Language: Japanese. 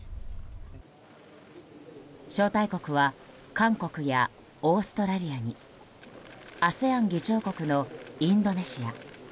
招待国は韓国やオーストラリアにＡＳＥＡＮ議長国のインドネシア。